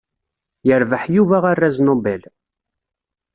Yerbeḥ Yuba arraz Nobel.